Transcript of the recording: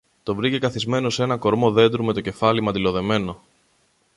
Τον βρήκε καθισμένο σ' έναν κορμό δέντρου με το κεφάλι μαντιλοδεμένο.